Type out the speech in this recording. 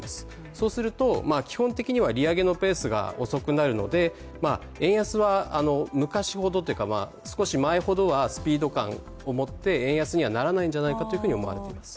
そうすると、基本的には利上げのペースが遅くなるので、円安は、昔ほどというか少し前ほどはスピード感を持って、円安にはならないんじゃないかとは言われています。